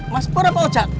mas pur apa ocak